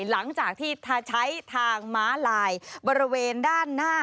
หลังจากที่เธอใช้ทางม้าลายบริเวณด้านหน้า